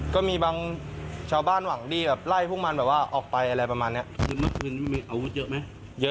ก็มีบางชาวบ้านหวั่งดีไล่ทมันออกไปอะไรประมาณเนี้ย